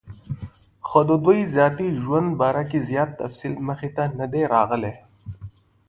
خو دَدوي دَذاتي ژوند باره کې زيات تفصيل مخې ته نۀ دی راغلی